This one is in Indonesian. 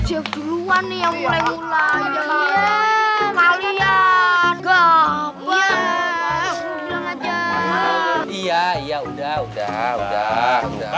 jauh duluan ya mulai mulai ya kalian go go aja iya iya udah udah udah udah